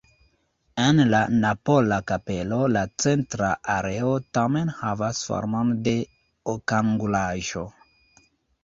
En la napola kapelo la centra areo tamen havas formon de okangulaĵo.